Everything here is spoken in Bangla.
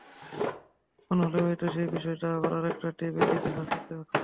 এমন হলে হয়তো সেই বিষয়টা আবার আরেকটা ট্যাবে লিখে সার্চ করতে চাচ্ছেন।